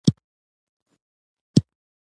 خوړل د ژوند ضرورت دی